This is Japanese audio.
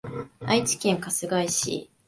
愛知県春日井市